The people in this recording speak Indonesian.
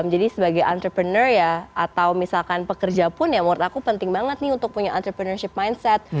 jadi sebagai entrepreneur atau misalkan pekerja pun menurut aku penting banget untuk punya entrepreneurship mindset